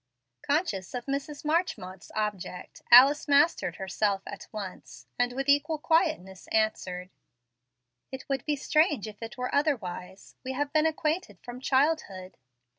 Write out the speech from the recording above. Conscious of Mrs. Marchmont's object, Alice mastered herself at once, and with equal quietness answered: "It would be strange if it were otherwise. We have been acquainted from childhood."